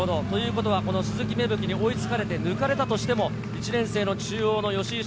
鈴木芽吹に追いつかれて抜かれたとしても、１年生の中央の吉居駿